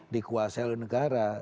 dikuasai oleh negara